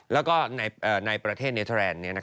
แล้วก็ในประเทศเนเทอร์แลนด์